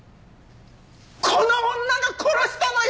この女が殺したのよ！